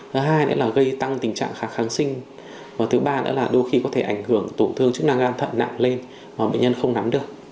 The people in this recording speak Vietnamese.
thứ hai nữa là gây tăng tình trạng kháng kháng sinh và thứ ba nữa là đôi khi có thể ảnh hưởng tổn thương chức năng gan thận nặng lên mà bệnh nhân không nắm được